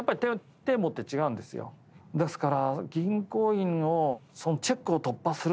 ですから。